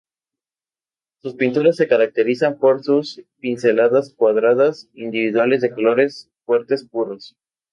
Sus pinturas se caracterizan por sus pinceladas cuadradas individuales de colores fuertes puros.